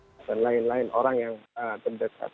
dan lain lain orang yang terdekat